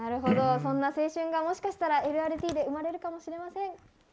そんな青春がもしかしたらＬＲＴで生まれるかもしれません。